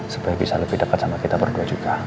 supaya bisa lebih dekat sama kita berdua juga